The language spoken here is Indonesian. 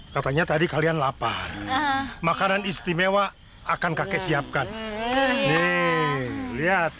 katanya tadi kalian lapar makanan istimewa akan kakek siapkan nih lihat